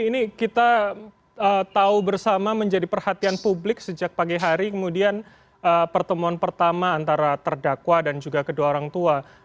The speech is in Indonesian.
ini kita tahu bersama menjadi perhatian publik sejak pagi hari kemudian pertemuan pertama antara terdakwa dan juga kedua orang tua